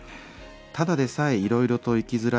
「ただでさえいろいろと生きづらい世の中。